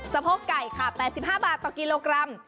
โพกไก่ค่ะ๘๕บาทต่อกิโลกรัม